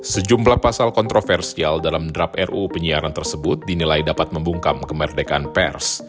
sejumlah pasal kontroversial dalam draft ruu penyiaran tersebut dinilai dapat membungkam kemerdekaan pers